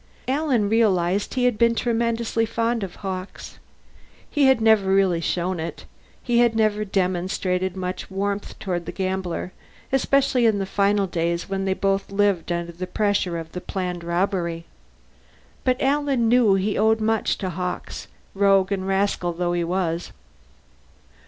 Alan realized he had been tremendously fond of Hawkes. He had never really shown it; he had never demonstrated much warmth toward the gambler, especially in the final days when they both lived under the pressure of the planned robbery. But Alan knew he owed much to Hawkes, rogue and rascal though he was.